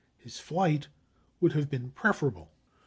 His Eight would have been preferable.